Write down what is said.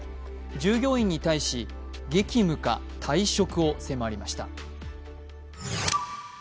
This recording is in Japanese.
従業員に対し、激務か退職を迫りました。